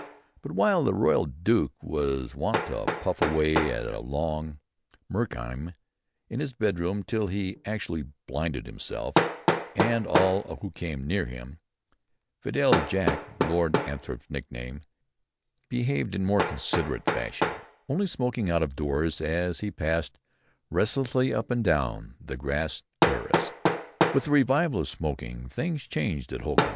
But while the Royal Duke was wont to puff away at a long meerschaum in his bedroom till he actually blinded himself, and all who came near him, Fidèle Jack [Lord Althorp's nickname] behaved in more considerate fashion, only smoking out of doors as he passed restlessly up and down the grass terrace." With the revival of smoking, things changed at Holkham.